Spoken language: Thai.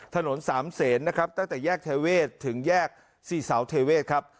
ถนนสามเศษนะครับตั้งแต่แยกเทเวศถึงแยกสี่เสาเทเวศครับ